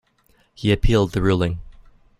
He appealed the ruling.